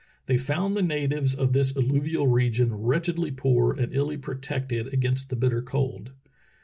They found the natives of this alluvial region wretchedly poor and illy protected against the bitter cold.